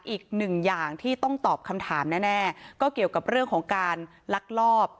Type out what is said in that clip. อย่างที่ต้องตอบคำถามแน่ก็เกี่ยวกับเรื่องของการลักลอบ